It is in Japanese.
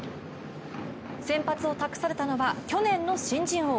先発を託されたのは去年の新人王。